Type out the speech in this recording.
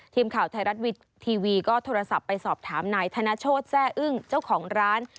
ทีมข่าวไทยรัฐทีวีก็โทรศัพท์ไปสอบถามนายธนโชธแซ่อึ้งเจ้าของร้าน